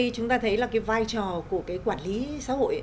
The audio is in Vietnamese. chúng ta thấy là cái vai trò của cái quản lý xã hội